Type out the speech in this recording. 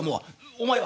「お前は？」。